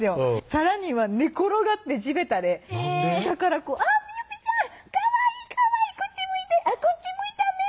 さらには寝転がって地べたで下から「あぁみおぴちゃんかわいいかわいい」「こっち向いてあっこっち向いたね」